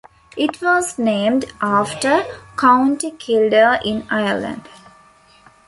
It was named after County Kildare in Ireland.